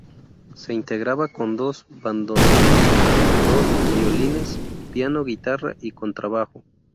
Se integraba con dos bandoneones, dos violines, piano, guitarra y contrabajo.